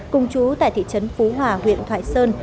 cùng chú tại thị trấn phú hòa huyện thoại sơn